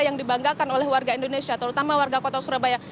yang dibanggakan oleh warga indonesia terutama warga kota surabaya